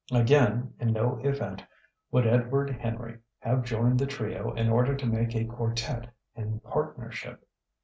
Again, in no event would Edward Henry have joined the trio in order to make a quartette in partnership.